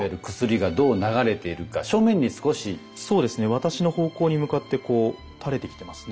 私の方向に向かってこう垂れてきてますね。